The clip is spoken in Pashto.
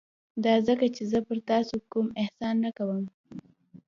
دا ځکه چې زه پر تاسو کوم احسان نه کوم.